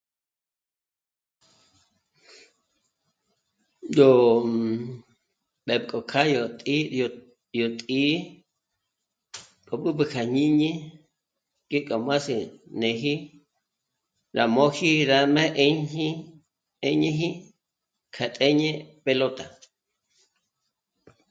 Yó mbépk'o kjá yó tǐ'i, yó... yó tǐ'i k'o b'ǚb'ü kjá jñíñi ngék'o mázi něji, rá m'ôji, rá má 'ë̀jñi 'ë́ñëji kjá tjéjñe pelota